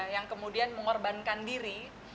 yang kemudian mengorbankan diri